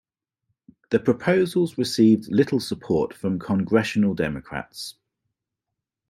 The proposals received little support from congressional Democrats.